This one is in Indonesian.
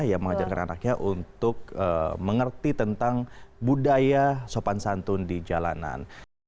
yang mengajarkan anaknya untuk mengerti tentang budaya sopan santun di jalanan